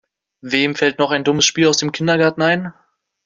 Wem fällt noch ein dummes Spiel aus dem Kindergarten ein?